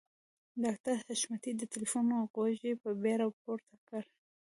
ډاکټر حشمتي د ټليفون غوږۍ په بیړه پورته کړه.